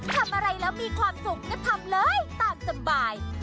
ทำอะไรแล้วมีความสุขก็ทำเลยตามสบาย